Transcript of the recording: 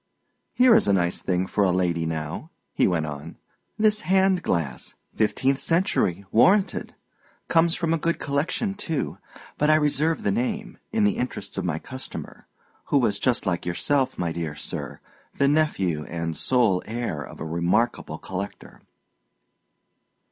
Here is a nice thing for a lady now," he went on, "this hand glass fifteenth century, warranted; comes from a good collection, too; but I reserve the name, in the interests of my customer, who was just like yourself, my dear sir, the nephew and sole heir of a remarkable collector."